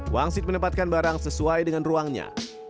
wangsit menempatkan barang sesuai dengan ruangnya